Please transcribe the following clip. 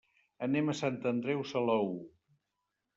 Anem a Sant Andreu Salou.